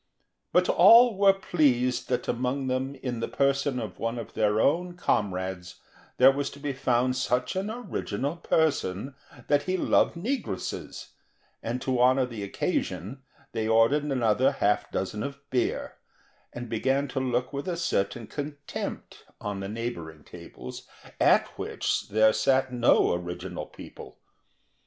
But all were pleased that among them in the person of one of their own comrades there was to be found such an original person, that he loved negresses, and to honour the occasion they ordered another half dozen of beer, and began to look with a certain contempt on the neighbouring tables, at which there sat no original people.